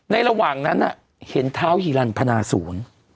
ในระหว่างนั้นน่ะเห็นท้าวฮิรัณพนาศูนย์